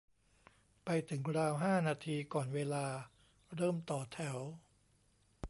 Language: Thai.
ไปถึงราวห้านาทีก่อนเวลา เริ่มต่อแถว